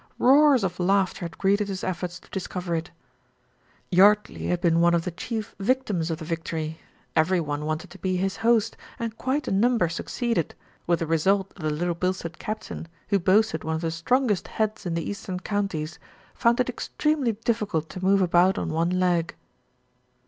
Roars of laughter had greeted his efforts to discover it. Yardley had been one of the chief victims of the vic tory. Every one wanted to be his host, and quite a number succeeded, with the result that the Little Bil stead captain, who boasted one of the strongest heads in the Eastern Counties, found it extremely difficult to move about on one leg..